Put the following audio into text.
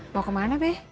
mau kemana be